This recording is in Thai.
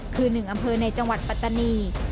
คือ๑อำเภอในจังหวัดปัตตานี